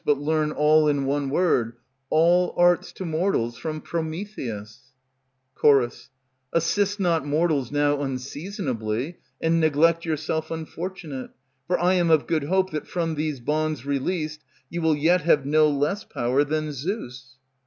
But learn all in one word, All arts to mortals from Prometheus. Ch. Assist not mortals now unseasonably, And neglect yourself unfortunate; for I Am of good hope that, from these bonds Released, you will yet have no less power than Zeus.